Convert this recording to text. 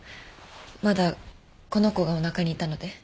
まだこの子がおなかにいたので。